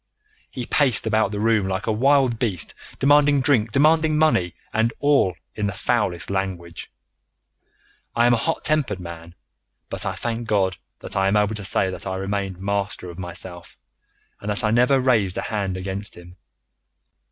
He paced about the room like a wild beast, demanding drink, demanding money, and all in the foulest language. I am a hot tempered man, but I thank God that I am able to say that I remained master of myself, and that I never raised a hand against him.